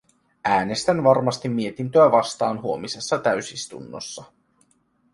Äänestän varmasti mietintöä vastaan huomisessa täysistunnossa.